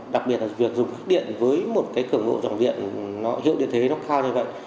đặc biệt là việc dùng điện với một cái cửa ngộ dòng điện nó hiệu điện thế nó cao như vậy